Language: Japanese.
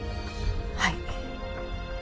はい。